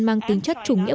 mang tính chất chủng nghĩa